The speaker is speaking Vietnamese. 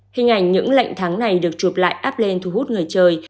hình ảnh những lệnh tháng này được chụp lại áp lên thu hút người chơi